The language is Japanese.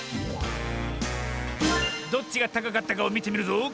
どっちがたかかったかをみてみるぞ。